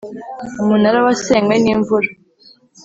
Umunara wasenywe n’imvura.